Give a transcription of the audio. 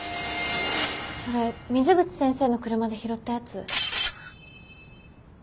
それ水口先生の車で拾ったやつ。